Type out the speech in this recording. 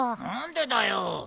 何でだよ。